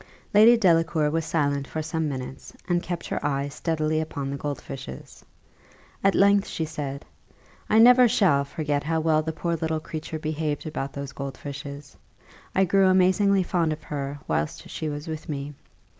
Lady Delacour was silent for some minutes, and kept her eye steadily upon the gold fishes. At length she said, "I never shall forget how well the poor little creature behaved about those gold fishes. I grew amazingly fond of her whilst she was with me.